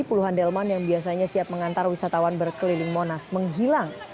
puluhan delman yang biasanya siap mengantar wisatawan berkeliling monas menghilang